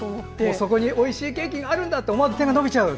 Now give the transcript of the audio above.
そこにおいしいケーキがあるんだと思って思わず手が伸びちゃうと。